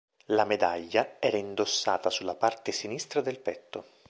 La medaglia era indossata sulla parte sinistra del petto.